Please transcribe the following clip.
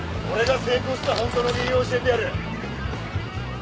俺が成功した本当の理由を教えてやる。